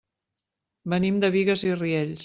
Venim de Bigues i Riells.